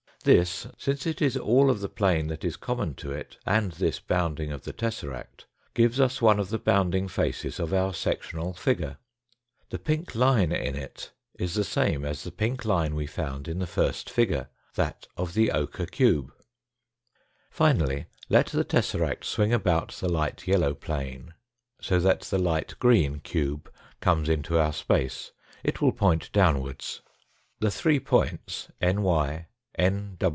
This, since it is all of the plane that is common to it, and this bounding of the tesseract, gives us one of the bounding faces of our sec tional figure. The pink line in it is the same as the pink line we found in the first figure that of the ochre cube. Finally, let the tesseract swing about the light yellow plane, so that the light green cube comes into our space. It will point downwards. The three points, n.y, n.